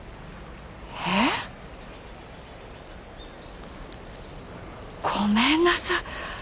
えっ？ごめんなさい。